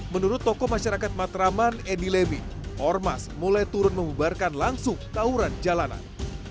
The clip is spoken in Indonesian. menurut tokoh masyarakat matraman edi levi ormas mulai turun memubarkan langsung tawuran jalanan